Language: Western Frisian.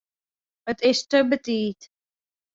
It is te betiid.